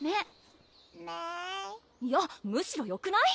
いやむしろよくない？